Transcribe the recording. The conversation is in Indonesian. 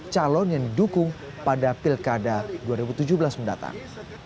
calon yang didukung pada pilkada dua ribu tujuh belas mendatang